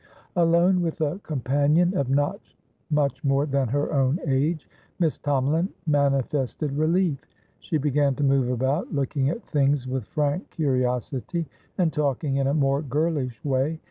Alone with a companion of not much more than her own age, Miss Tomalin manifested relief; she began to move about, looking at things with frank curiosity, and talking in a more girlish way.